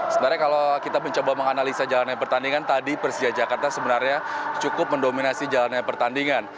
sebenarnya kalau kita mencoba menganalisa jalannya pertandingan tadi persija jakarta sebenarnya cukup mendominasi jalannya pertandingan